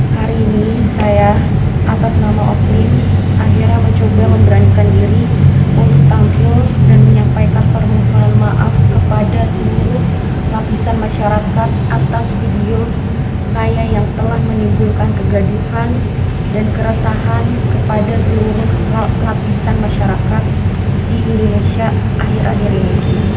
hari ini saya atas nama opli akhirnya mencoba memberanikan diri untuk tampil dan menyampaikan permintaan maaf kepada seluruh lapisan masyarakat atas video saya yang telah menimbulkan kegaduhan dan kerasahan kepada seluruh lapisan masyarakat di indonesia akhir akhir ini